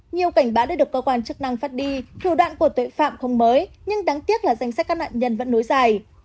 nhiều cảnh báo đã được cơ quan chức năng phát đi thủ đoạn của tội phạm không mới nhưng đáng tiếc là danh sách các nạn nhân vẫn nối dài